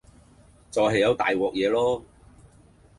就係有大鑊嘢囉